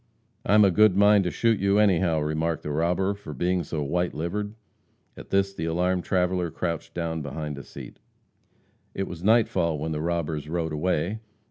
"I'm a good mind to shoot you, anyhow," remarked the robber, "for being so white livered." At this the alarmed traveller crouched down behind a seat. It was nightfall when the robbers rode away.